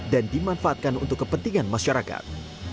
dan dimanfaatkan untuk kepentingan masyarakat